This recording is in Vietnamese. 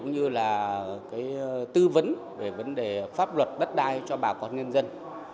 để tư vấn về vấn đề pháp luật đất đai cho bà con nhân dân